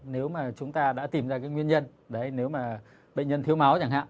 nếu mà chúng ta đã tìm ra cái nguyên nhân nếu mà bệnh nhân thiếu máu chẳng hạn